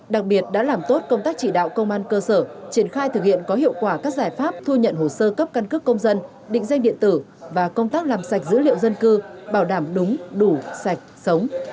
đặc biệt đã làm tốt công tác chỉ đạo công an cơ sở triển khai thực hiện có hiệu quả các giải pháp thu nhận hồ sơ cấp căn cước công dân định danh điện tử và công tác làm sạch dữ liệu dân cư bảo đảm đúng đủ sạch sống